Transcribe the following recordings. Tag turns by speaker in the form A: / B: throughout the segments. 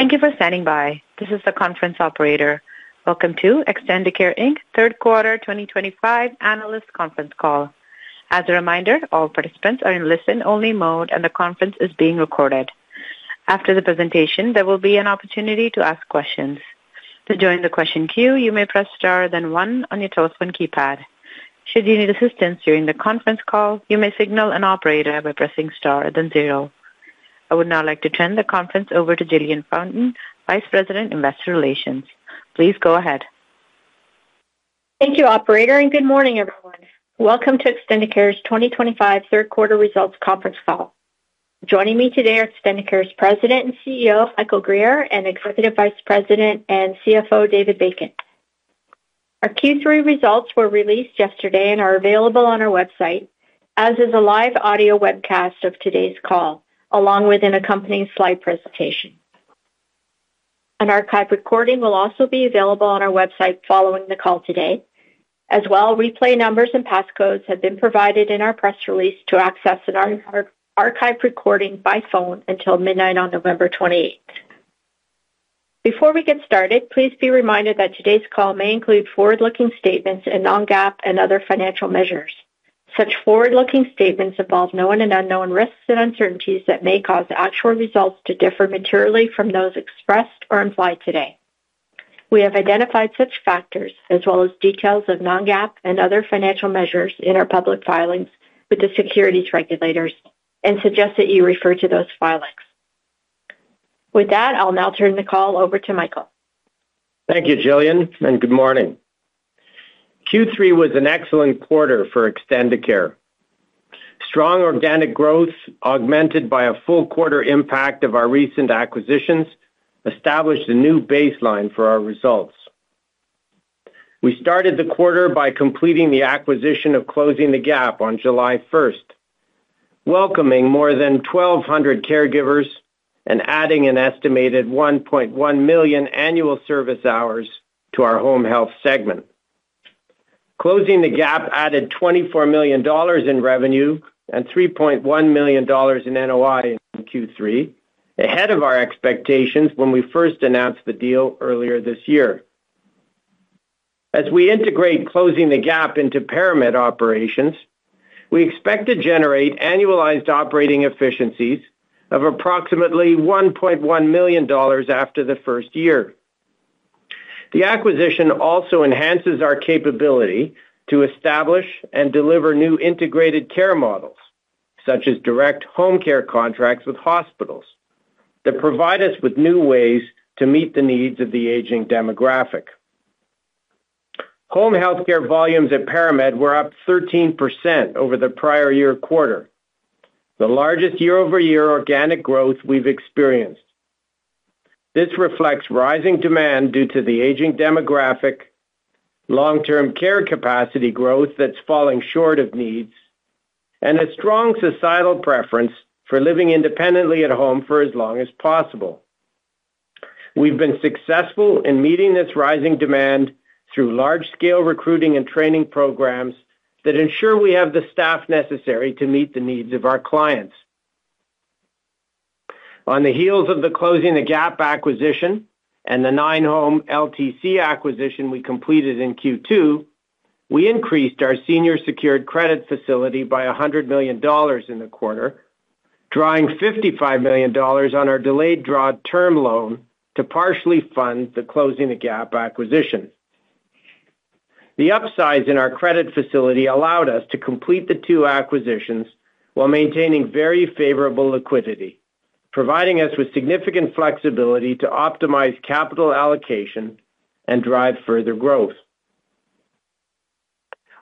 A: Thank you for standing by. This is the conference operator. Welcome to Extendicare Inc third quarter 2025 analyst conference call. As a reminder, all participants are in listen-only mode, and the conference is being recorded. After the presentation, there will be an opportunity to ask questions. To join the question queue, you may press star then one on your telephone keypad. Should you need assistance during the conference call, you may signal an operator by pressing star then zero. I would now like to turn the conference over to Jillian Fountain, Vice President, Investor Relations. Please go ahead.
B: Thank you, Operator, and good morning, everyone. Welcome to Extendicare's 2025 third quarter results conference call. Joining me today are Extendicare's President and CEO, Michael Guerriere, and Executive Vice President and CFO, David Bacon. Our Q3 results were released yesterday and are available on our website, as is a live audio webcast of today's call, along with an accompanying slide presentation. An archive recording will also be available on our website following the call today. As well, replay numbers and passcodes have been provided in our press release to access an archive recording by phone until midnight on November 28. Before we get started, please be reminded that today's call may include forward-looking statements and non-GAAP and other financial measures. Such forward-looking statements involve known and unknown risks and uncertainties that may cause actual results to differ materially from those expressed or implied today. We have identified such factors, as well as details of non-GAAP and other financial measures in our public filings with the securities regulators, and suggest that you refer to those filings. With that, I'll now turn the call over to Michael.
C: Thank you, Jillian, and good morning. Q3 was an excellent quarter for Extendicare. Strong organic growth, augmented by a full quarter impact of our recent acquisitions, established a new baseline for our results. We started the quarter by completing the acquisition of Closing the Gap on July 1, welcoming more than 1,200 caregivers and adding an estimated 1.1 million annual service hours to our home health segment. Closing the Gap added 24 million dollars in revenue and 3.1 million dollars in NOI in Q3, ahead of our expectations when we first announced the deal earlier this year. As we integrate Closing the Gap into ParaMed operations, we expect to generate annualized operating efficiencies of approximately 1.1 million dollars after the first year. The acquisition also enhances our capability to establish and deliver new integrated care models, such as direct home care contracts with hospitals, that provide us with new ways to meet the needs of the aging demographic. Home healthcare volumes at ParaMed were up 13% over the prior year quarter, the largest year-over-year organic growth we've experienced. This reflects rising demand due to the aging demographic, long-term care capacity growth that's falling short of needs, and a strong societal preference for living independently at home for as long as possible. We've been successful in meeting this rising demand through large-scale recruiting and training programs that ensure we have the staff necessary to meet the needs of our clients. On the heels of the Closing the Gap acquisition and the nine-home LTC acquisition we completed in Q2, we increased our senior secured credit facility by 100 million dollars in the quarter, drawing 55 million dollars on our delayed-draw term loan to partially fund the Closing the Gap acquisition. The upsize in our credit facility allowed us to complete the two acquisitions while maintaining very favorable liquidity, providing us with significant flexibility to optimize capital allocation and drive further growth.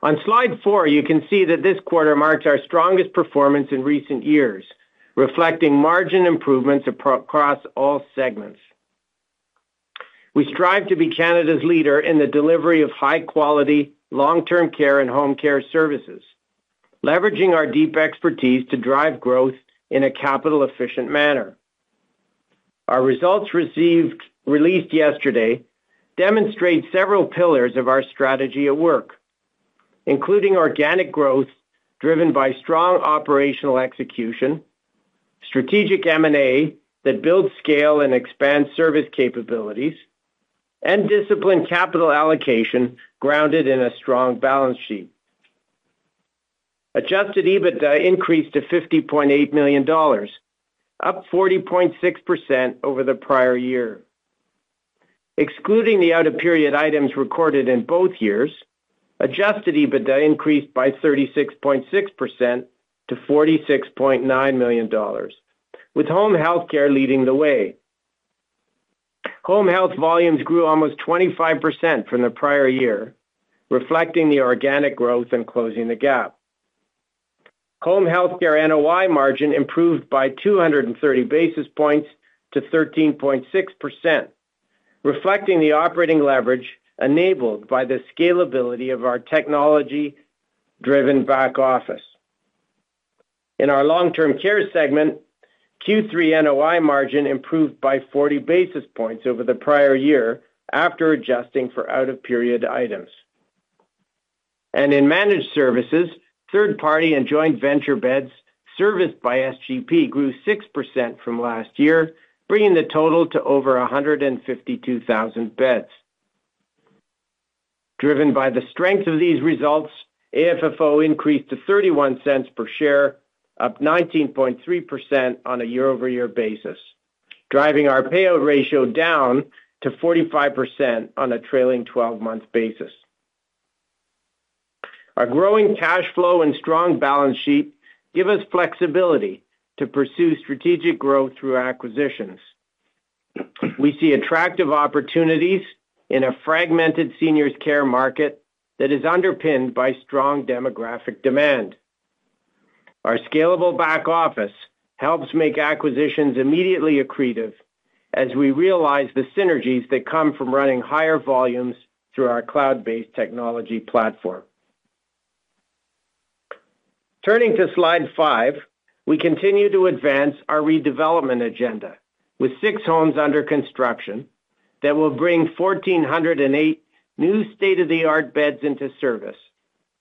C: On slide four, you can see that this quarter marked our strongest performance in recent years, reflecting margin improvements across all segments. We strive to be Canada's leader in the delivery of high-quality, long-term care and home care services, leveraging our deep expertise to drive growth in a capital-efficient manner. Our results released yesterday demonstrate several pillars of our strategy at work, including organic growth driven by strong operational execution, strategic M&A that builds scale and expands service capabilities, and disciplined capital allocation grounded in a strong balance sheet. Adjusted EBITDA increased to 50.8 million dollars, up 40.6% over the prior year. Excluding the out-of-period items recorded in both years, adjusted EBITDA increased by 36.6% to 46.9 million dollars, with home healthcare leading the way. Home health volumes grew almost 25% from the prior year, reflecting the organic growth in Closing the Gap. Home healthcare NOI margin improved by 230 basis points to 13.6%, reflecting the operating leverage enabled by the scalability of our technology-driven back office. In our long-term care segment, Q3 NOI margin improved by 40 basis points over the prior year after adjusting for out-of-period items. In managed services, third-party and joint venture beds serviced by SGP grew 6% from last year, bringing the total to over 152,000 beds. Driven by the strength of these results, AFFO increased to $0.31 per share, up 19.3% on a year-over-year basis, driving our payout ratio down to 45% on a trailing 12-month basis. Our growing cash flow and strong balance sheet give us flexibility to pursue strategic growth through acquisitions. We see attractive opportunities in a fragmented seniors' care market that is underpinned by strong demographic demand. Our scalable back office helps make acquisitions immediately accretive as we realize the synergies that come from running higher volumes through our cloud-based technology platform. Turning to slide five, we continue to advance our redevelopment agenda with six homes under construction that will bring 1,408 new state-of-the-art beds into service,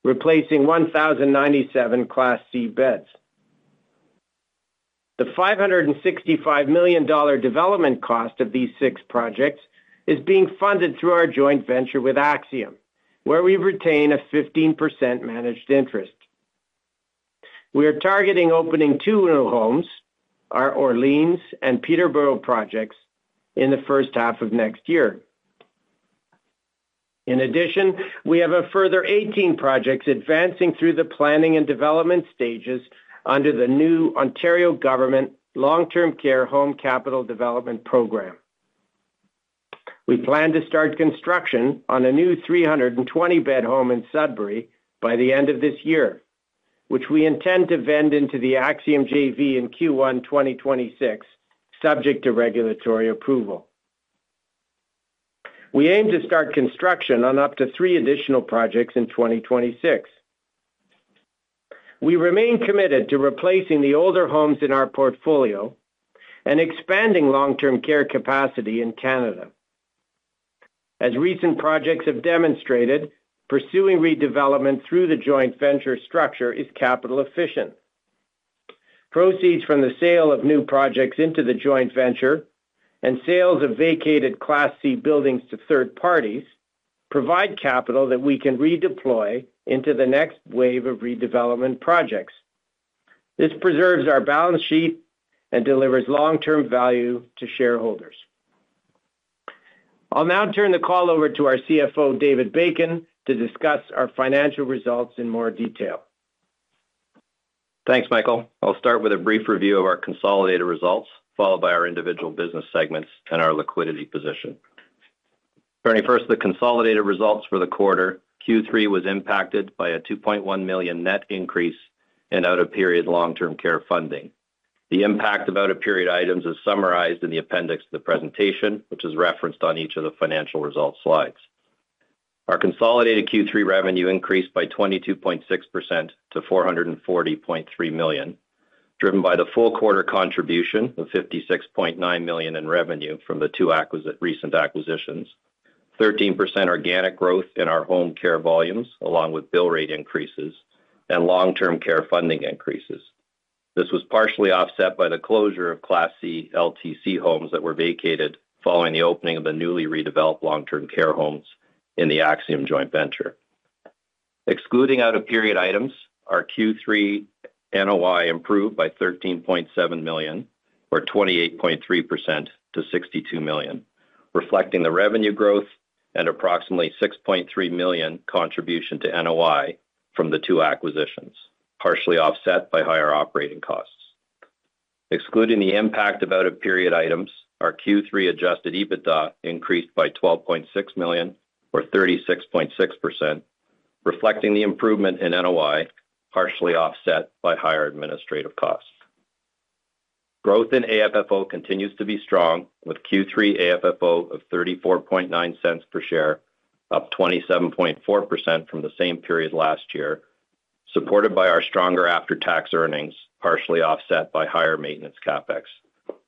C: replacing 1,097 Class C beds. The 565 million dollar development cost of these six projects is being funded through our joint venture with Axium, where we retain a 15% managed interest. We are targeting opening two new homes, our Orleans and Peterborough projects, in the first half of next year. In addition, we have a further 18 projects advancing through the planning and development stages under the new Ontario Government Long-Term Care Home Capital Development Program. We plan to start construction on a new 320-bed home in Sudbury by the end of this year, which we intend to vend into the Axium JV in Q1 2026, subject to regulatory approval. We aim to start construction on up to three additional projects in 2026. We remain committed to replacing the older homes in our portfolio and expanding long-term care capacity in Canada. As recent projects have demonstrated, pursuing redevelopment through the joint venture structure is capital-efficient. Proceeds from the sale of new projects into the joint venture and sales of vacated Class C buildings to third parties provide capital that we can redeploy into the next wave of redevelopment projects. This preserves our balance sheet and delivers long-term value to shareholders. I'll now turn the call over to our CFO, David Bacon, to discuss our financial results in more detail.
D: Thanks, Michael. I'll start with a brief review of our consolidated results, followed by our individual business segments and our liquidity position. Turning first to the consolidated results for the quarter, Q3 was impacted by a 2.1 million net increase in out-of-period long-term care funding. The impact of out-of-period items is summarized in the appendix to the presentation, which is referenced on each of the financial results slides. Our consolidated Q3 revenue increased by 22.6% to 440.3 million, driven by the full quarter contribution of 56.9 million in revenue from the two recent acquisitions, 13% organic growth in our home care volumes, along with bill rate increases and long-term care funding increases. This was partially offset by the closure of Class C LTC homes that were vacated following the opening of the newly redeveloped long-term care homes in the Axium joint venture. Excluding out-of-period items, our Q3 NOI improved by 13.7 million, or 28.3% to 62 million, reflecting the revenue growth and approximately 6.3 million contribution to NOI from the two acquisitions, partially offset by higher operating costs. Excluding the impact of out-of-period items, our Q3 adjusted EBITDA increased by 12.6 million, or 36.6%, reflecting the improvement in NOI, partially offset by higher administrative costs. Growth in AFFO continues to be strong, with Q3 AFFO of 0.349 per share, up 27.4% from the same period last year, supported by our stronger after-tax earnings, partially offset by higher maintenance CapEx,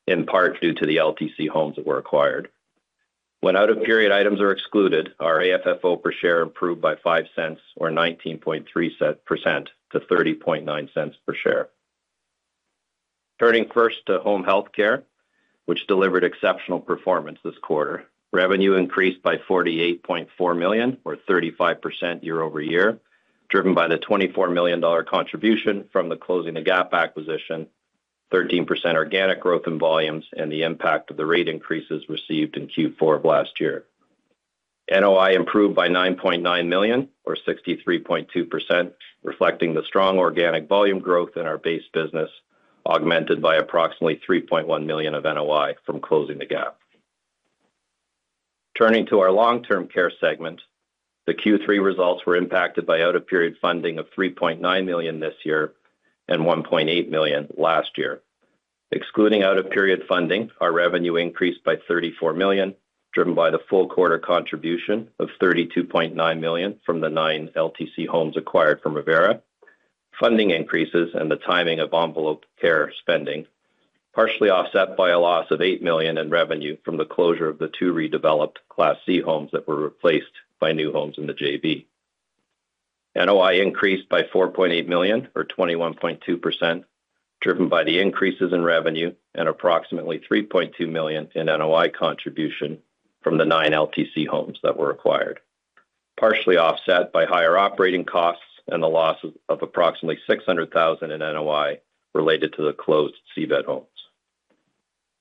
D: in part due to the LTC homes that were acquired. When out-of-period items are excluded, our AFFO per share improved by 0.05, or 19.3% to 0.309 per share. Turning first to home healthcare, which delivered exceptional performance this quarter, revenue increased by 48.4 million, or 35% year-over-year, driven by the 24 million dollar contribution from the Closing the Gap acquisition, 13% organic growth in volumes, and the impact of the rate increases received in Q4 of last year. NOI improved by 9.9 million, or 63.2%, reflecting the strong organic volume growth in our base business, augmented by approximately 3.1 million of NOI from Closing the Gap. Turning to our long-term care segment, the Q3 results were impacted by out-of-period funding of 3.9 million this year and 1.8 million last year. Excluding out-of-period funding, our revenue increased by 34 million, driven by the full quarter contribution of 32.9 million from the nine LTC homes acquired from Revera, funding increases, and the timing of envelope care spending, partially offset by a loss of 8 million in revenue from the closure of the two redeveloped Class C homes that were replaced by new homes in the JV. NOI increased by 4.8 million, or 21.2%, driven by the increases in revenue and approximately 3.2 million in NOI contribution from the nine LTC homes that were acquired, partially offset by higher operating costs and the loss of approximately 600,000 in NOI related to the closed C-bed homes.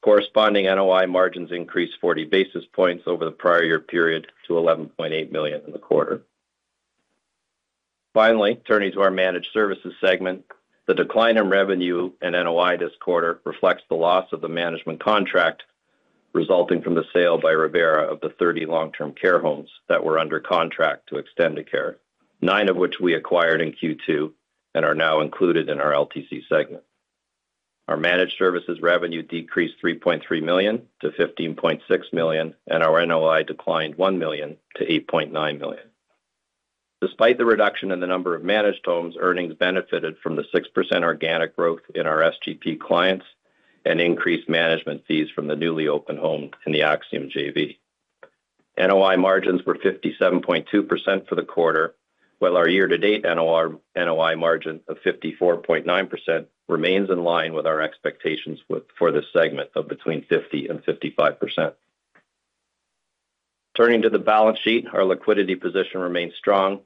D: Corresponding NOI margins increased 40 basis points over the prior year period to 11.8 million in the quarter. Finally, turning to our managed services segment, the decline in revenue and NOI this quarter reflects the loss of the management contract resulting from the sale by Revera of the 30 long-term care homes that were under contract to Extendicare, nine of which we acquired in Q2 and are now included in our LTC segment. Our managed services revenue decreased 3.3 million to 15.6 million, and our NOI declined 1 million to 8.9 million. Despite the reduction in the number of managed homes, earnings benefited from the 6% organic growth in our SGP clients and increased management fees from the newly opened homes in the Axium JV. NOI margins were 57.2% for the quarter, while our year-to-date NOI margin of 54.9% remains in line with our expectations for this segment of between 50% and 55%. Turning to the balance sheet, our liquidity position remains strong.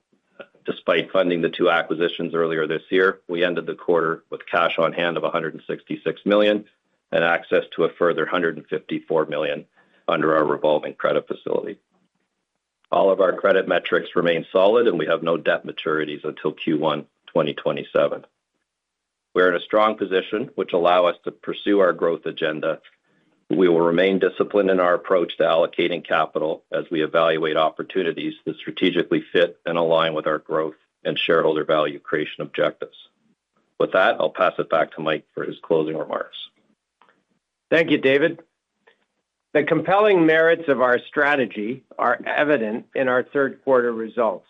D: Despite funding the two acquisitions earlier this year, we ended the quarter with cash on hand of 166 million and access to a further 154 million under our revolving credit facility. All of our credit metrics remain solid, and we have no debt maturities until Q1 2027. We are in a strong position, which allows us to pursue our growth agenda. We will remain disciplined in our approach to allocating capital as we evaluate opportunities that strategically fit and align with our growth and shareholder value creation objectives. With that, I'll pass it back to Mike for his closing remarks.
C: Thank you, David. The compelling merits of our strategy are evident in our third-quarter results.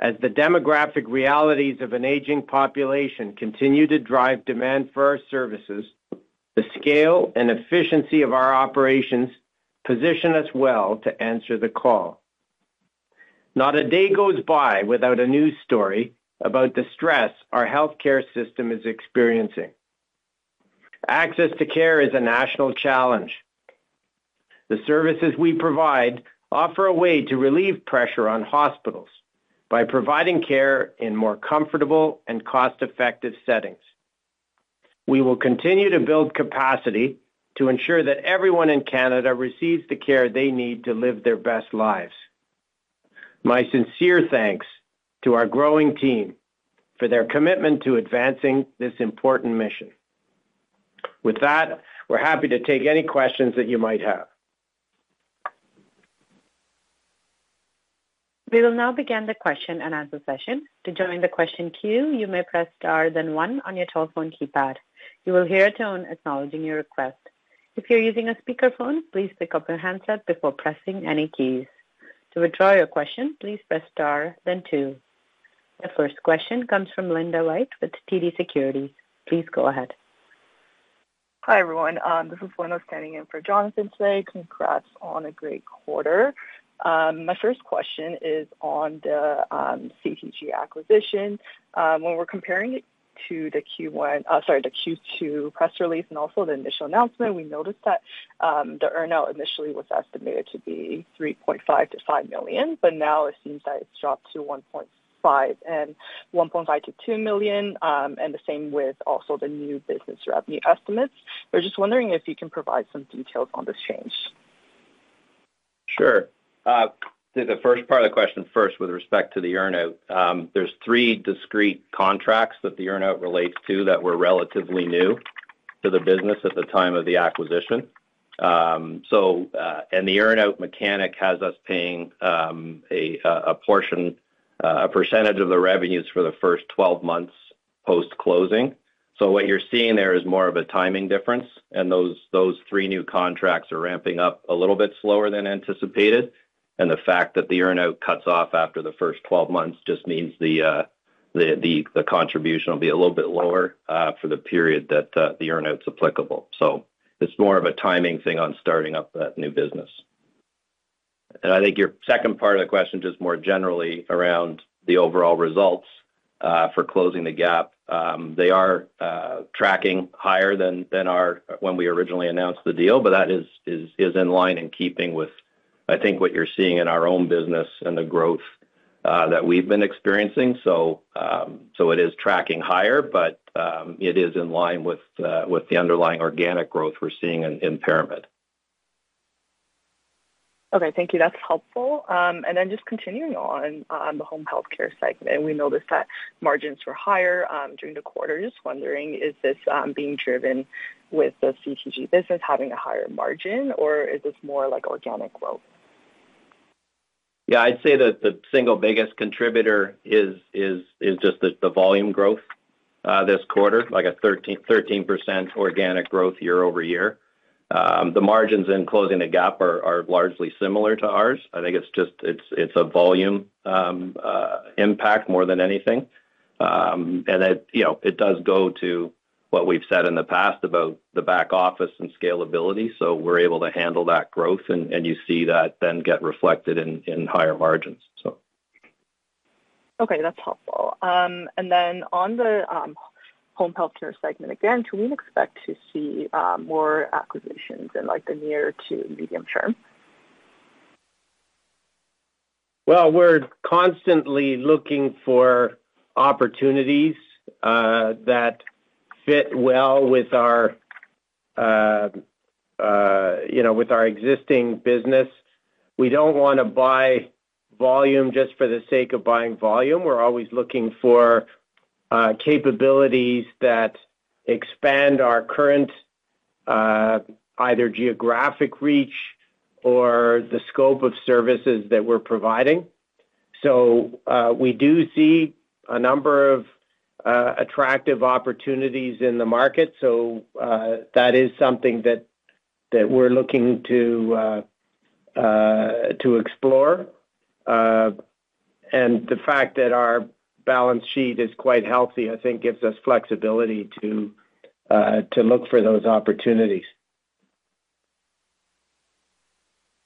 C: As the demographic realities of an aging population continue to drive demand for our services, the scale and efficiency of our operations position us well to answer the call. Not a day goes by without a news story about the stress our healthcare system is experiencing. Access to care is a national challenge. The services we provide offer a way to relieve pressure on hospitals by providing care in more comfortable and cost-effective settings. We will continue to build capacity to ensure that everyone in Canada receives the care they need to live their best lives. My sincere thanks to our growing team for their commitment to advancing this important mission. With that, we're happy to take any questions that you might have.
A: We will now begin the question and answer session. To join the question queue, you may press star then one on your telephone keypad. You will hear a tone acknowledging your request. If you're using a speakerphone, please pick up your handset before pressing any keys. To withdraw your question, please press star then two. Our first question comes from Linda White with TD Securities. Please go ahead.
E: Hi everyone. This is Linda standing in for Jonathan today. Congrats on a great quarter. My first question is on the CTG acquisition. When we're comparing it to the Q1, sorry, the Q2 press release and also the initial announcement, we noticed that the earnout initially was estimated to be 3.5 million-5 million, but now it seems that it's dropped to 1.5 million-2 million, and the same with also the new business revenue estimates. We're just wondering if you can provide some details on this change.
D: Sure. The first part of the question first with respect to the earnout, there are three discrete contracts that the earnout relates to that were relatively new to the business at the time of the acquisition. The earnout mechanic has us paying a portion, a percentage of the revenues for the first 12 months post-closing. What you are seeing there is more of a timing difference, and those three new contracts are ramping up a little bit slower than anticipated. The fact that the earnout cuts off after the first 12 months just means the contribution will be a little bit lower for the period that the earnout is applicable. It is more of a timing thing on starting up that new business. I think your second part of the question, just more generally around the overall results for Closing the Gap, they are tracking higher than when we originally announced the deal, but that is in line and keeping with, I think, what you're seeing in our own business and the growth that we've been experiencing. It is tracking higher, but it is in line with the underlying organic growth we're seeing in ParaMed.
E: Okay. Thank you. That is helpful. Just continuing on the home healthcare segment, we noticed that margins were higher during the quarter. Just wondering, is this being driven with the Closing the Gap business having a higher margin, or is this more like organic growth?
D: Yeah, I'd say that the single biggest contributor is just the volume growth this quarter, like a 13% organic growth year-over-year. The margins in Closing the Gap are largely similar to ours. I think it's just a volume impact more than anything. It does go to what we've said in the past about the back office and scalability. We're able to handle that growth, and you see that then get reflected in higher margins.
E: Okay. That's helpful. On the home healthcare segment again, can we expect to see more acquisitions in the near to medium term?
C: We're constantly looking for opportunities that fit well with our existing business. We don't want to buy volume just for the sake of buying volume. We're always looking for capabilities that expand our current either geographic reach or the scope of services that we're providing. We do see a number of attractive opportunities in the market. That is something that we're looking to explore. The fact that our balance sheet is quite healthy, I think, gives us flexibility to look for those opportunities.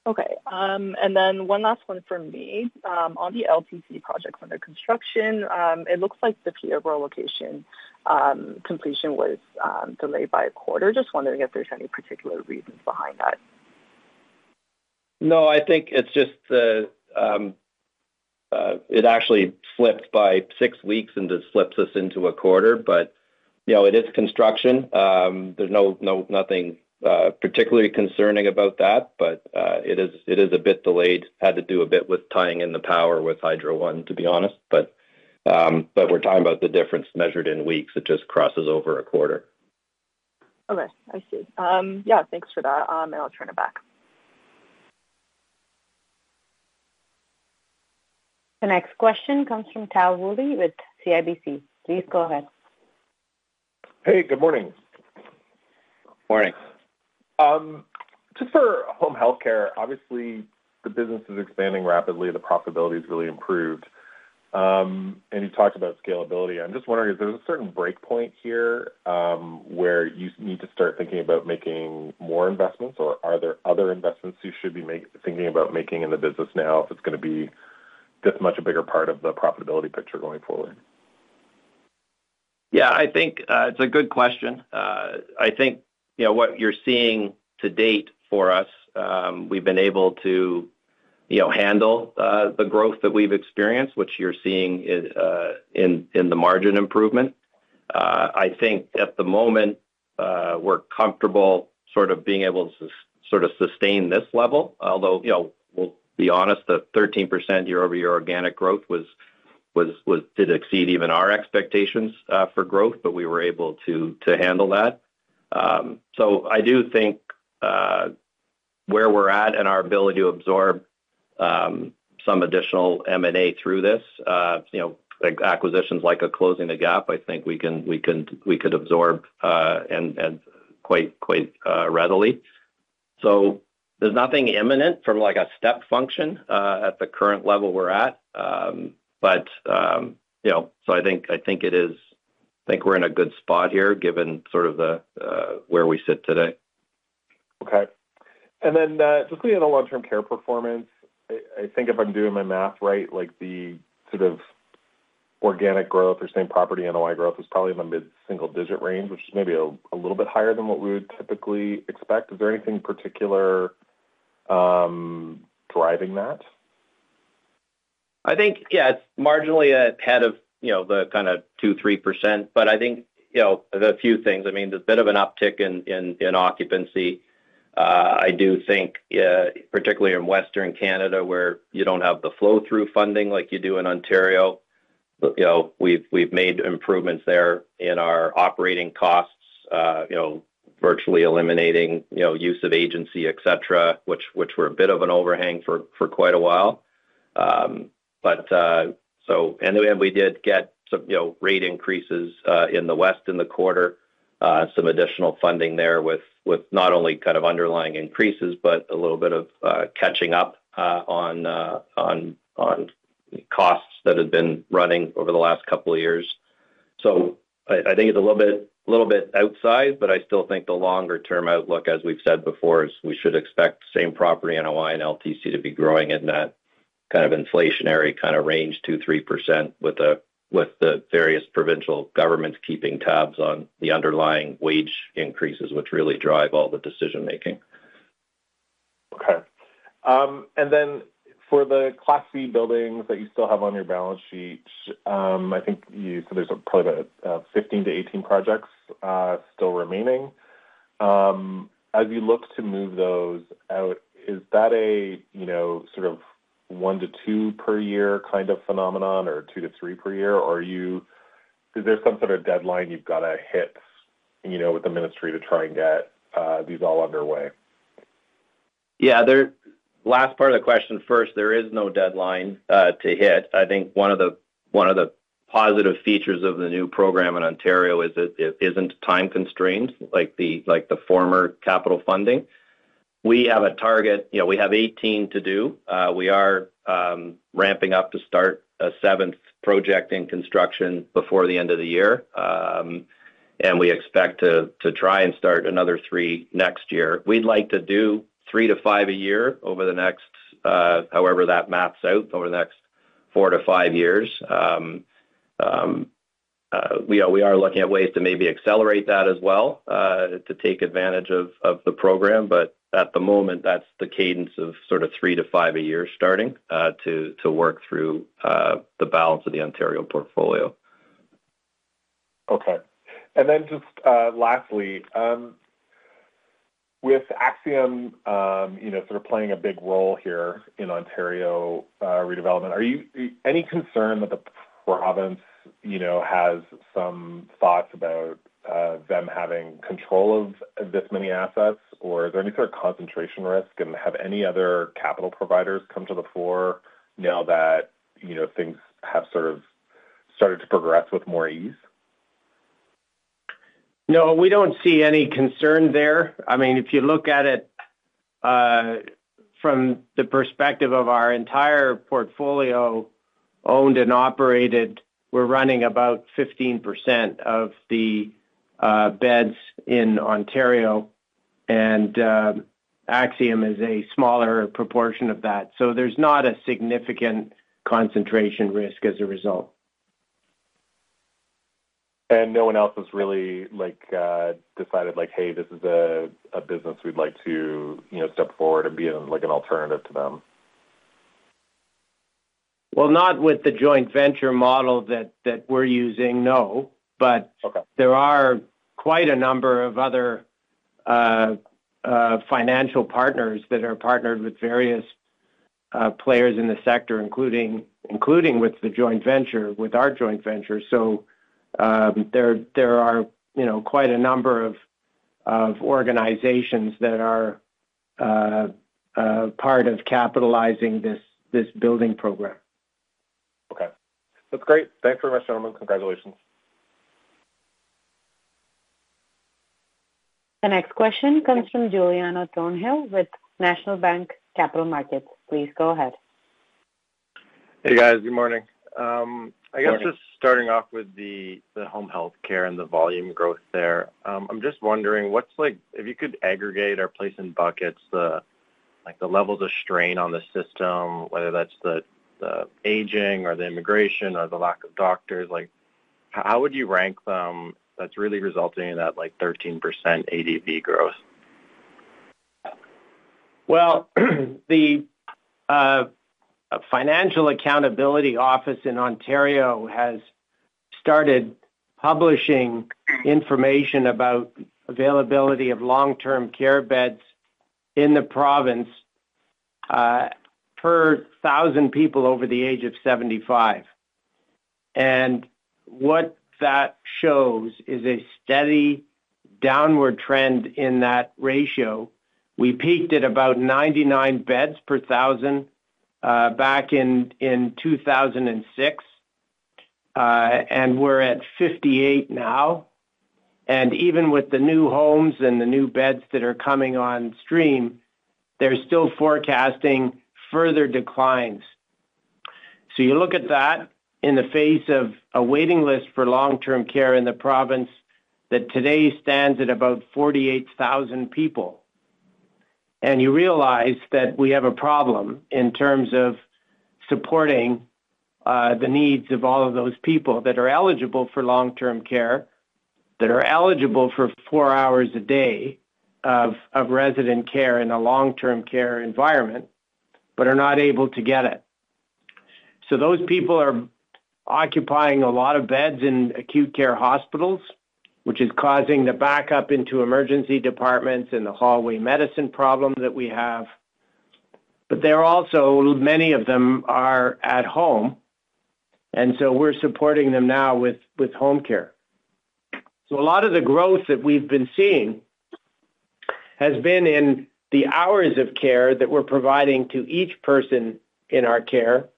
E: Okay. And then one last one for me. On the LTC projects under construction, it looks like the POR location completion was delayed by a quarter. Just wondering if there's any particular reasons behind that.
D: No, I think it's just it actually slipped by six weeks and just slips us into a quarter. It is construction. There's nothing particularly concerning about that, but it is a bit delayed. Had to do a bit with tying in the power with Hydro One, to be honest. We are talking about the difference measured in weeks. It just crosses over a quarter.
E: Okay. I see. Yeah. Thanks for that. I'll turn it back.
A: The next question comes from Tal Woolley with CIBC. Please go ahead.
F: Hey, good morning.
D: Morning.
F: Just for home healthcare, obviously, the business is expanding rapidly. The profitability has really improved. You talked about scalability. I'm just wondering, is there a certain breakpoint here where you need to start thinking about making more investments, or are there other investments you should be thinking about making in the business now if it's going to be this much a bigger part of the profitability picture going forward?
D: Yeah, I think it's a good question. I think what you're seeing to date for us, we've been able to handle the growth that we've experienced, which you're seeing in the margin improvement. I think at the moment, we're comfortable sort of being able to sort of sustain this level. Although I'll be honest, the 13% year-over-year organic growth did exceed even our expectations for growth, but we were able to handle that. I do think where we're at and our ability to absorb some additional M&A through this, acquisitions like a Closing the Gap, I think we could absorb quite readily. There's nothing imminent from a step function at the current level we're at. I think it is, I think we're in a good spot here given sort of where we sit today.
F: Okay. Then just looking at the long-term care performance, I think if I'm doing my math right, the sort of organic growth or same property NOI growth is probably in the mid-single-digit range, which is maybe a little bit higher than what we would typically expect. Is there anything in particular driving that?
D: I think, yeah, it's marginally ahead of the kind of 2%-3%. I think there's a few things. I mean, there's a bit of an uptick in occupancy. I do think, particularly in Western Canada, where you don't have the flow-through funding like you do in Ontario, we've made improvements there in our operating costs, virtually eliminating use of agency, etc., which were a bit of an overhang for quite a while. We did get rate increases in the west in the quarter, some additional funding there with not only kind of underlying increases, but a little bit of catching up on costs that have been running over the last couple of years. I think it's a little bit outside, but I still think the longer-term outlook, as we've said before, is we should expect same property NOI and LTC to be growing in that kind of inflationary kind of range, 2-3%, with the various provincial governments keeping tabs on the underlying wage increases, which really drive all the decision-making.
F: Okay. For the Class B buildings that you still have on your balance sheet, I think you said there's probably about 15-18 projects still remaining. As you look to move those out, is that a sort of one to two per year kind of phenomenon or two to three per year? Or is there some sort of deadline you've got to hit with the ministry to try and get these all underway?
D: Yeah. Last part of the question first, there is no deadline to hit. I think one of the positive features of the new program in Ontario is it is not time-constrained like the former capital funding. We have a target. We have 18 to do. We are ramping up to start a seventh project in construction before the end of the year. We expect to try and start another three next year. We would like to do three to five a year over the next, however that maps out, over the next four to five years. We are looking at ways to maybe accelerate that as well to take advantage of the program. At the moment, that is the cadence of sort of three to five a year starting to work through the balance of the Ontario portfolio.
F: Okay. And then just lastly, with Axium sort of playing a big role here in Ontario redevelopment, are you any concern that the province has some thoughts about them having control of this many assets? Or is there any sort of concentration risk? Have any other capital providers come to the fore now that things have sort of started to progress with more ease?
C: No, we don't see any concern there. I mean, if you look at it from the perspective of our entire portfolio owned and operated, we're running about 15% of the beds in Ontario. And Axium is a smaller proportion of that. So there's not a significant concentration risk as a result.
F: No one else has really decided like, "Hey, this is a business we'd like to step forward and be an alternative to them"?
C: Not with the joint venture model that we're using, no. There are quite a number of other financial partners that are partnered with various players in the sector, including with the joint venture, with our joint venture. There are quite a number of organizations that are part of capitalizing this building program.
F: Okay. That's great. Thanks very much, gentlemen. Congratulations.
A: The next question comes from Giuliano Thornhill with National Bank Capital Markets. Please go ahead.
G: Hey, guys. Good morning. I guess just starting off with the home healthcare and the volume growth there, I'm just wondering if you could aggregate or place in buckets the levels of strain on the system, whether that's the aging or the immigration or the lack of doctors, how would you rank them that's really resulting in that 13% ADV growth?
C: The Financial Accountability Office in Ontario has started publishing information about availability of long-term care beds in the province per 1,000 people over the age of 75. What that shows is a steady downward trend in that ratio. We peaked at about 99 beds per 1,000 back in 2006, and we are at 58 now. Even with the new homes and the new beds that are coming on stream, they are still forecasting further declines. You look at that in the face of a waiting list for long-term care in the province that today stands at about 48,000 people. You realize that we have a problem in terms of supporting the needs of all of those people that are eligible for long-term care, that are eligible for four hours a day of resident care in a long-term care environment, but are not able to get it. Those people are occupying a lot of beds in acute care hospitals, which is causing the backup into emergency departments and the hallway medicine problem that we have. They are also, many of them, at home. We are supporting them now with home care. A lot of the growth that we have been seeing has been in the hours of care that we are providing to each person in our care,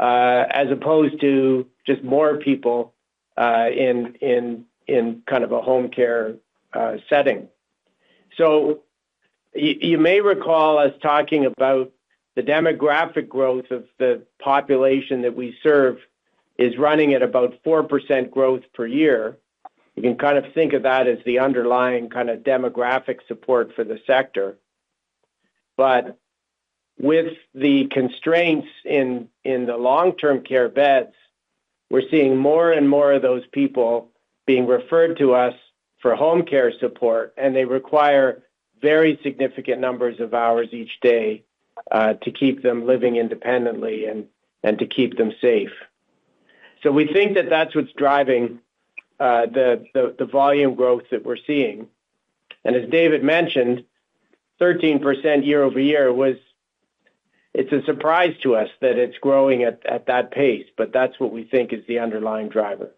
C: as opposed to just more people in a home care setting. You may recall us talking about the demographic growth of the population that we serve is running at about 4% growth per year. You can think of that as the underlying demographic support for the sector. With the constraints in the long-term care beds, we're seeing more and more of those people being referred to us for home care support, and they require very significant numbers of hours each day to keep them living independently and to keep them safe. We think that that's what's driving the volume growth that we're seeing. As David mentioned, 13% year-over-year, it's a surprise to us that it's growing at that pace, but that's what we think is the underlying driver.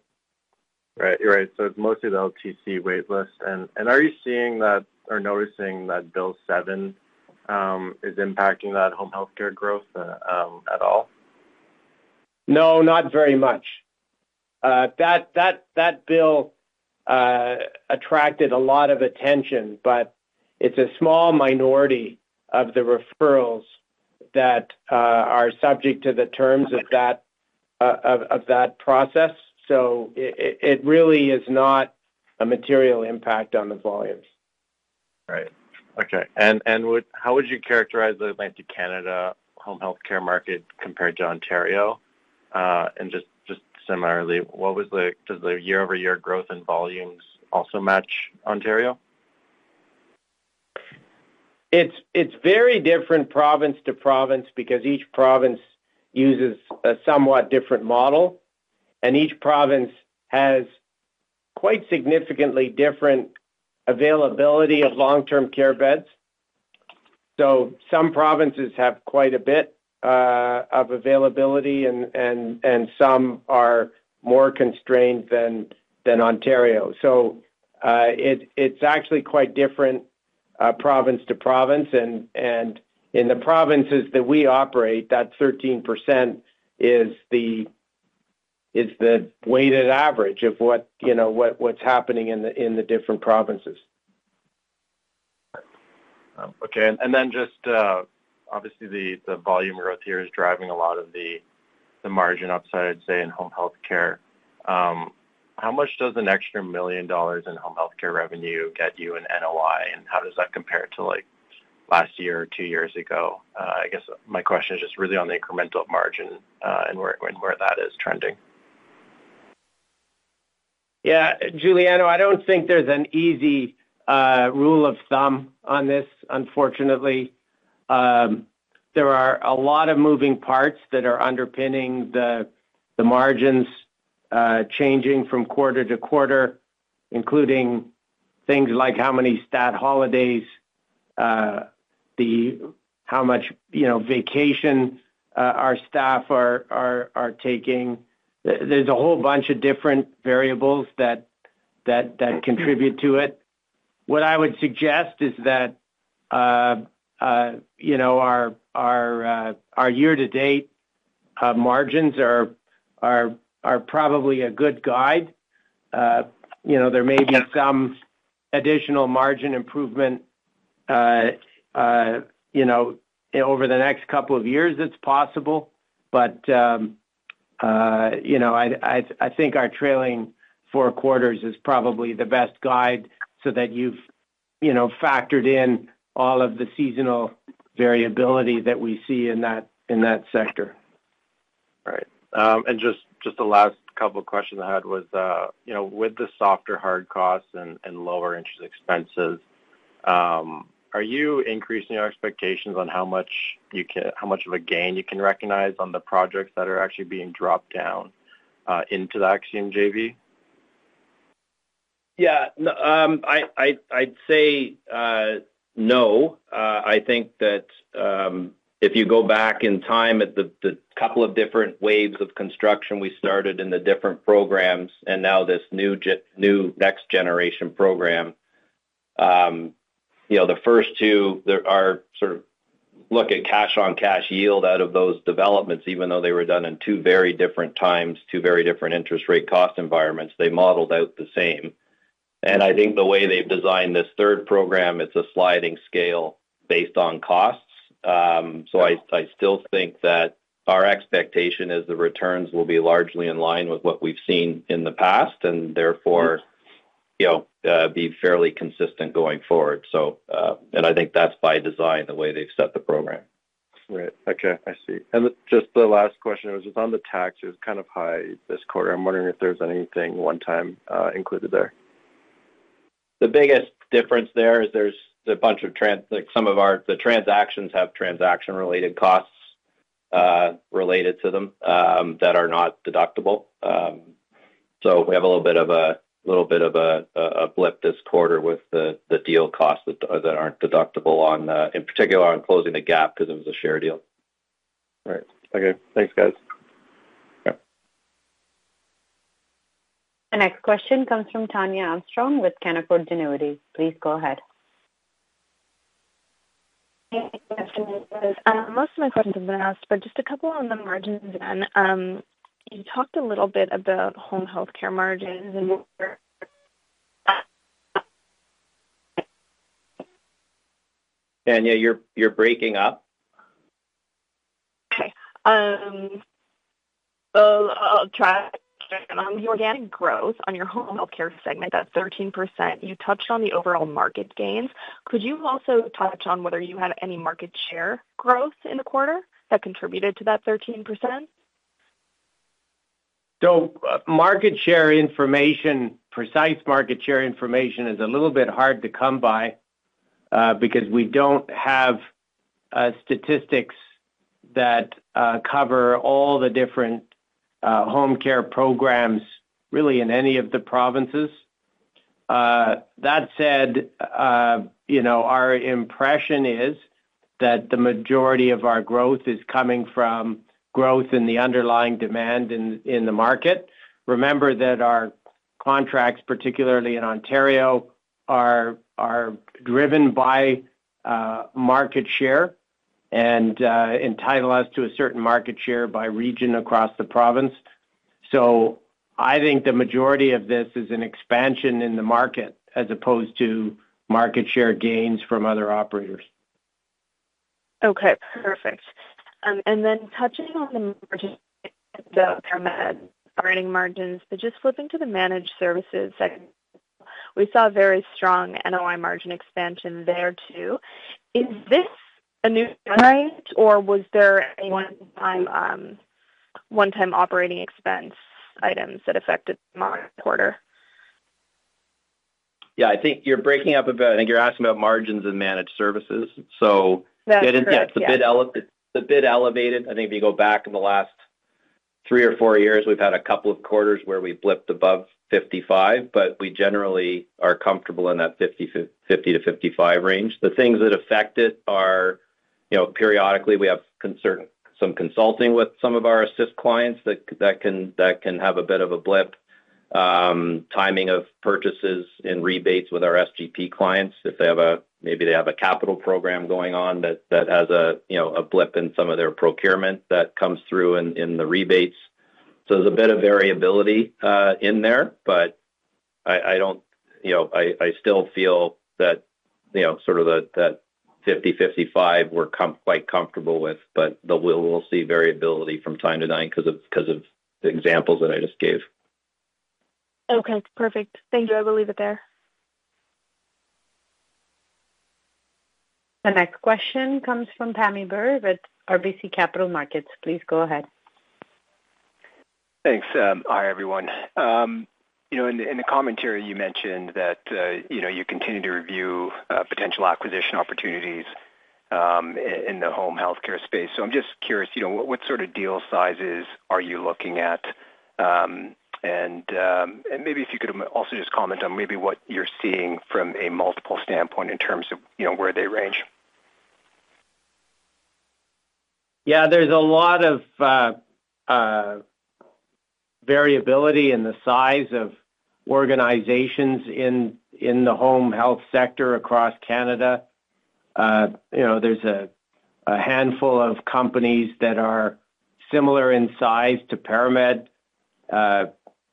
G: Right. You're right. It's mostly the LTC waitlist. Are you seeing that or noticing that Bill 7 is impacting that home healthcare growth at all?
C: No, not very much. That bill attracted a lot of attention, but it's a small minority of the referrals that are subject to the terms of that process. It really is not a material impact on the volumes.
G: Right. Okay. How would you characterize the Atlantic Canada home healthcare market compared to Ontario? Just similarly, does the year-over-year growth in volumes also match Ontario?
C: It's very different province to province because each province uses a somewhat different model. Each province has quite significantly different availability of long-term care beds. Some provinces have quite a bit of availability, and some are more constrained than Ontario. It's actually quite different province to province. In the provinces that we operate, that 13% is the weighted average of what's happening in the different provinces.
G: Okay. Obviously, the volume growth here is driving a lot of the margin upside, say, in home healthcare. How much does an extra $1 million in home healthcare revenue get you in NOI? How does that compare to last year or two years ago? I guess my question is just really on the incremental margin and where that is trending.
C: Yeah. Giuliano, I do not think there is an easy rule of thumb on this, unfortunately. There are a lot of moving parts that are underpinning the margins changing from quarter to quarter, including things like how many stat holidays, how much vacation our staff are taking. There is a whole bunch of different variables that contribute to it. What I would suggest is that our year-to-date margins are probably a good guide. There may be some additional margin improvement over the next couple of years. It is possible. I think our trailing four quarters is probably the best guide so that you have factored in all of the seasonal variability that we see in that sector.
G: Right. Just the last couple of questions I had was, with the softer hard costs and lower interest expenses, are you increasing your expectations on how much of a gain you can recognize on the projects that are actually being dropped down into the Axium JV?
D: Yeah. I'd say no. I think that if you go back in time at the couple of different waves of construction we started in the different programs and now this new next-generation program, the first two are sort of look at cash-on-cash yield out of those developments, even though they were done in two very different times, two very different interest rate cost environments. They modeled out the same. I think the way they've designed this third program, it's a sliding scale based on costs. I still think that our expectation is the returns will be largely in line with what we've seen in the past and therefore be fairly consistent going forward. I think that's by design the way they've set the program.
G: Right. Okay. I see. Just the last question was just on the tax. It was kind of high this quarter. I'm wondering if there's anything one-time included there.
D: The biggest difference there is there's a bunch of some of the transactions have transaction-related costs related to them that are not deductible. We have a little bit of a blip this quarter with the deal costs that aren't deductible in particular on Closing the Gap because it was a share deal.
G: Right. Okay. Thanks, guys.
A: The next question comes from Tania Armstrong with Canaccord Genuity. Please go ahead.
H: Thank you, guys. Most of my questions have been asked, but just a couple on the margins then. You talked a little bit about home healthcare margins and.
C: Tania, you're breaking up.
H: Okay. I'll try. On the organic growth on your home healthcare segment, that 13%, you touched on the overall market gains. Could you also touch on whether you had any market share growth in the quarter that contributed to that 13%?
C: Market share information, precise market share information is a little bit hard to come by because we do not have statistics that cover all the different home care programs really in any of the provinces. That said, our impression is that the majority of our growth is coming from growth in the underlying demand in the market. Remember that our contracts, particularly in Ontario, are driven by market share and entitle us to a certain market share by region across the province. I think the majority of this is an expansion in the market as opposed to market share gains from other operators.
H: Okay. Perfect. And then touching on the margins of ParaMed's earnings margins, but just flipping to the managed services segment, we saw very strong NOI margin expansion there too. Is this a new trend, or was there any one-time operating expense items that affected the market quarter?
D: Yeah. I think you're breaking up a bit. I think you're asking about margins in managed services. Yeah, it's a bit elevated. I think if you go back in the last three or four years, we've had a couple of quarters where we've blipped above 55, but we generally are comfortable in that 50%-55% range. The things that affect it are periodically we have some consulting with some of our Assist clients that can have a bit of a blip, timing of purchases and rebates with our SGP clients. If they have a, maybe they have a capital program going on that has a blip in some of their procurement that comes through in the rebates. There's a bit of variability in there, but I don't, I still feel that sort of that 50-55 we're quite comfortable with, but we'll see variability from time to time because of the examples that I just gave.
H: Okay. Perfect. Thank you. I will leave it there.
A: The next question comes from Tammy Baur with RBC Capital Markets. Please go ahead.
I: Thanks. Hi, everyone. In the commentary, you mentioned that you continue to review potential acquisition opportunities in the home healthcare space. I am just curious, what sort of deal sizes are you looking at? Maybe if you could also just comment on maybe what you are seeing from a multiple standpoint in terms of where they range.
C: Yeah. There's a lot of variability in the size of organizations in the home health sector across Canada. There's a handful of companies that are similar in size to ParaMed.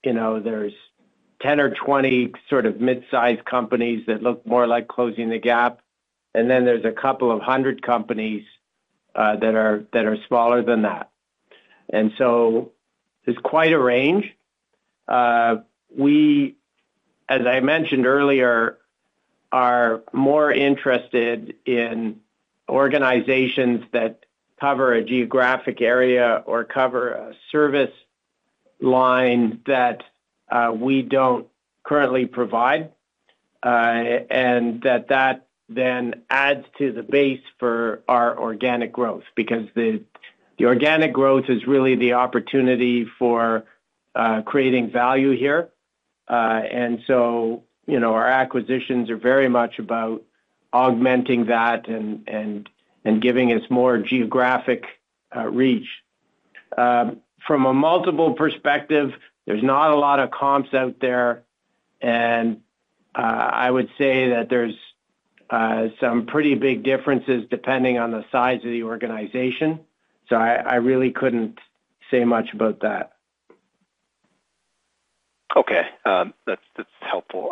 C: There's 10 or 20 sort of mid-sized companies that look more like Closing the Gap. And then there's a couple of hundred companies that are smaller than that. And so there's quite a range. We, as I mentioned earlier, are more interested in organizations that cover a geographic area or cover a service line that we don't currently provide, and that that then adds to the base for our organic growth because the organic growth is really the opportunity for creating value here. And so our acquisitions are very much about augmenting that and giving us more geographic reach. From a multiple perspective, there's not a lot of comps out there. I would say that there's some pretty big differences depending on the size of the organization. I really couldn't say much about that.
I: Okay. That's helpful.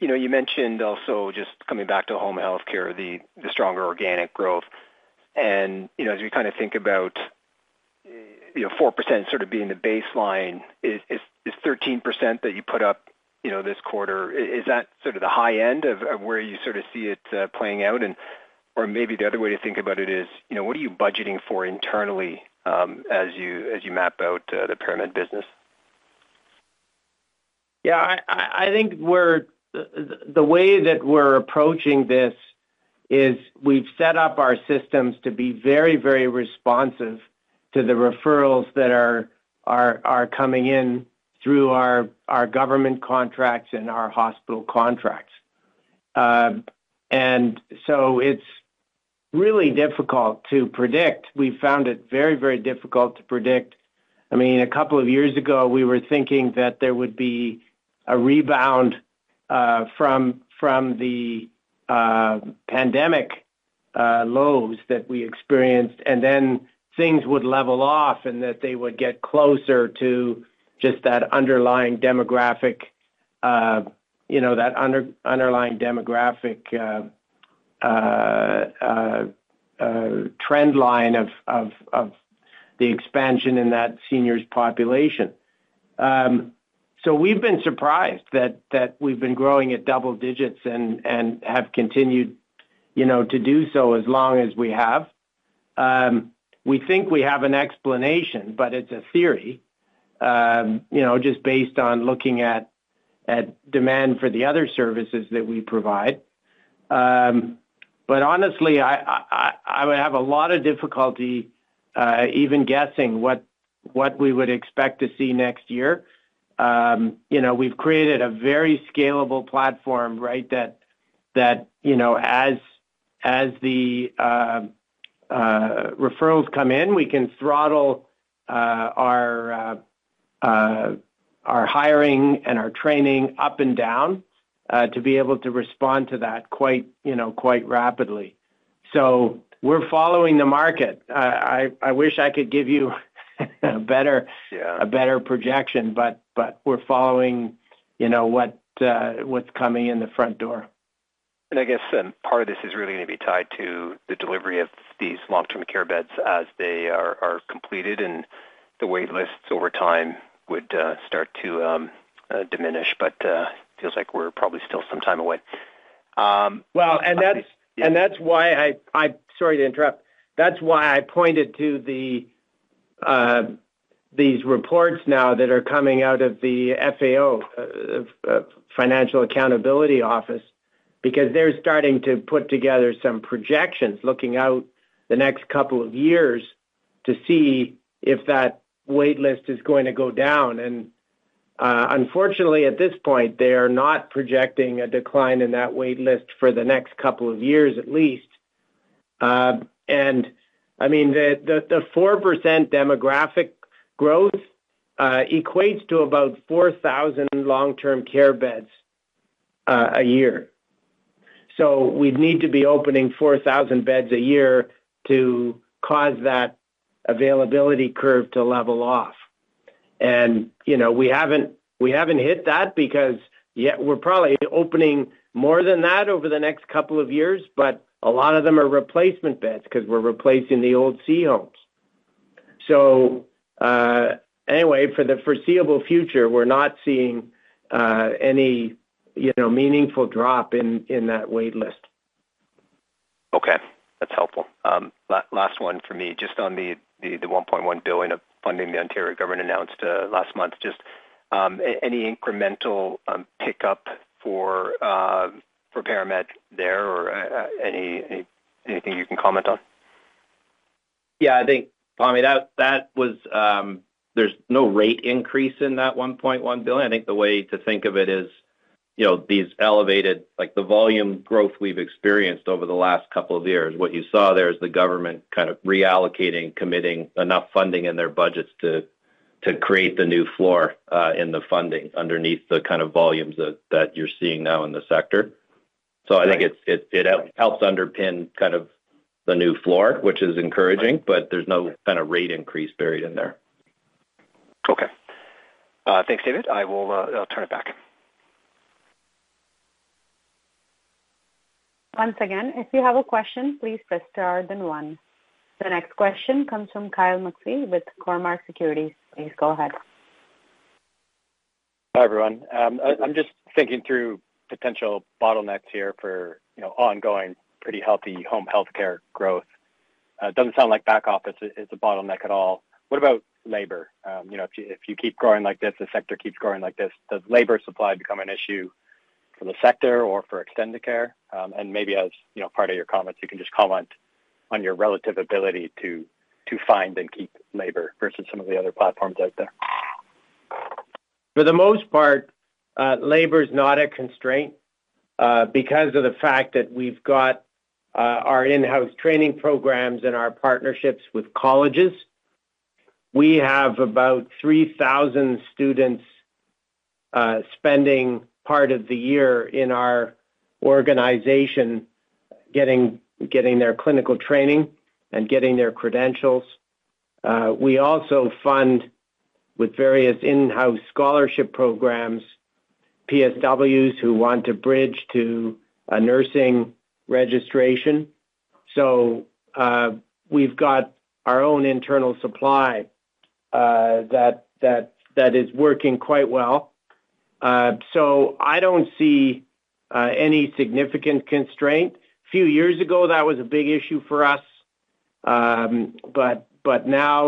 I: You mentioned also just coming back to home healthcare, the stronger organic growth. And as we kind of think about 4% sort of being the baseline, is 13% that you put up this quarter, is that sort of the high end of where you sort of see it playing out? Or maybe the other way to think about it is, what are you budgeting for internally as you map out the ParaMed business?
C: Yeah. I think the way that we're approaching this is we've set up our systems to be very, very responsive to the referrals that are coming in through our government contracts and our hospital contracts. It's really difficult to predict. We've found it very, very difficult to predict. I mean, a couple of years ago, we were thinking that there would be a rebound from the pandemic lows that we experienced, and things would level off and that they would get closer to just that underlying demographic, that underlying demographic trend line of the expansion in that seniors population. We've been surprised that we've been growing at double digits and have continued to do so as long as we have. We think we have an explanation, but it's a theory just based on looking at demand for the other services that we provide. Honestly, I would have a lot of difficulty even guessing what we would expect to see next year. We've created a very scalable platform, right, that as the referrals come in, we can throttle our hiring and our training up and down to be able to respond to that quite rapidly. We are following the market. I wish I could give you a better projection, but we are following what is coming in the front door.
I: I guess part of this is really going to be tied to the delivery of these long-term care beds as they are completed and the wait lists over time would start to diminish, but it feels like we're probably still some time away.
C: That is why I—sorry to interrupt—that is why I pointed to these reports now that are coming out of the FAO, Financial Accountability Office, because they are starting to put together some projections looking out the next couple of years to see if that wait list is going to go down. Unfortunately, at this point, they are not projecting a decline in that wait list for the next couple of years at least. I mean, the 4% demographic growth equates to about 4,000 long-term care beds a year. We would need to be opening 4,000 beds a year to cause that availability curve to level off. We have not hit that because we are probably opening more than that over the next couple of years, but a lot of them are replacement beds because we are replacing the old C homes. Anyway, for the foreseeable future, we're not seeing any meaningful drop in that wait list.
I: Okay. That's helpful. Last one for me. Just on the 1.1 billion of funding the Ontario government announced last month, just any incremental pickup for ParaMed there or anything you can comment on?
D: Yeah. I think, Tommy, that was—there's no rate increase in that 1.1 billion. I think the way to think of it is these elevated—like the volume growth we've experienced over the last couple of years. What you saw there is the government kind of reallocating, committing enough funding in their budgets to create the new floor in the funding underneath the kind of volumes that you're seeing now in the sector. I think it helps underpin kind of the new floor, which is encouraging, but there's no kind of rate increase buried in there.
I: Okay. Thanks, David. I'll turn it back.
A: Once again, if you have a question, please press star then one. The next question comes from Kyle McPhee with Cormark Securities. Please go ahead.
J: Hi, everyone. I'm just thinking through potential bottlenecks here for ongoing pretty healthy home healthcare growth. It doesn't sound like back office is a bottleneck at all. What about labor? If you keep growing like this, the sector keeps growing like this, does labor supply become an issue for the sector or for Extendicare? And maybe as part of your comments, you can just comment on your relative ability to find and keep labor versus some of the other platforms out there.
C: For the most part, labor is not a constraint because of the fact that we've got our in-house training programs and our partnerships with colleges. We have about 3,000 students spending part of the year in our organization getting their clinical training and getting their credentials. We also fund with various in-house scholarship programs, PSWs who want to bridge to a nursing registration. So we've got our own internal supply that is working quite well. I don't see any significant constraint. A few years ago, that was a big issue for us. Now,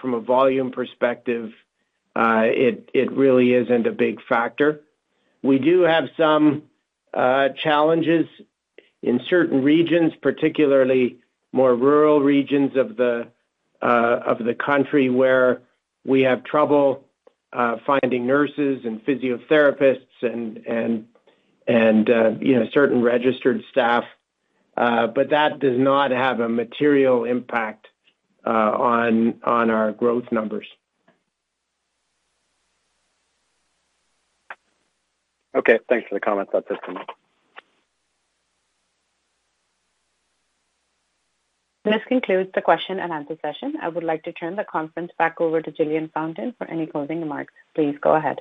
C: from a volume perspective, it really isn't a big factor. We do have some challenges in certain regions, particularly more rural regions of the country where we have trouble finding nurses and physiotherapists and certain registered staff. That does not have a material impact on our growth numbers.
J: Okay. Thanks for the comments. That's it for me.
A: This concludes the question and answer session. I would like to turn the conference back over to Jillian Fountain for any closing remarks. Please go ahead.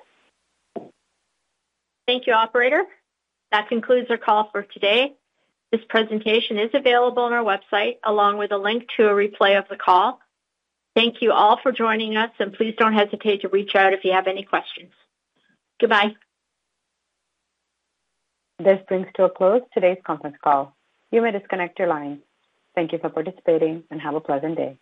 B: Thank you, Operator. That concludes our call for today. This presentation is available on our website along with a link to a replay of the call. Thank you all for joining us, and please do not hesitate to reach out if you have any questions. Goodbye.
A: This brings to a close today's conference call. You may disconnect your line. Thank you for participating and have a pleasant day.